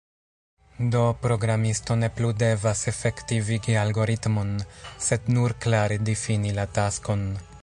Do, programisto ne plu devas efektivigi algoritmon, sed nur klare difini la taskon.